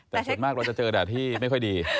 แต่ส่วนมากเราจะเจอแดดที่ไม่ค่อยดี